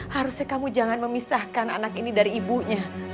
harusnya kamu jangan memisahkan anak ini dari ibunya